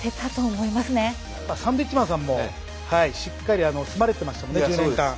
サンドウィッチマンさんもしっかり住まれてましたもんね１０年間。